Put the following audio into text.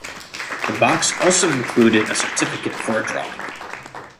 The box also included a certificate for a drawing.